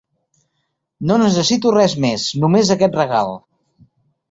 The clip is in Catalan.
No necessito res més, només aquest regal.